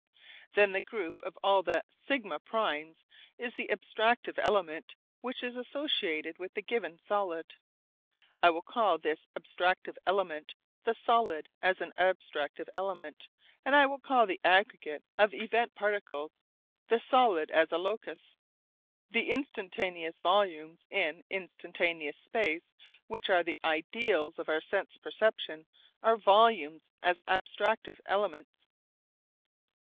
Then the group of all the σ primes is the abstractive element which is associated with the given solid. I will call this abstractive element the solid as an abstractive element, and I will call the aggregate of event particles the solid as a locus. The instantaneous volumes in instantaneous space which are the ideals of our sense perception are volumes as abstractive elements.